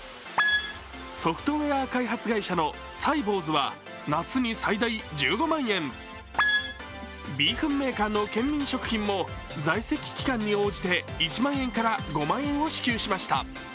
ソフトウエア開発会社のサイボウズは夏に最大１５万円、ビーフンメーカーのケンミン食品も在籍期間に応じて１万円から５万円を支給しました。